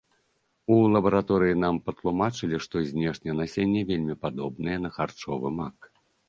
У лабараторыі нам патлумачылі, што знешне насенне вельмі падобнае на харчовы мак.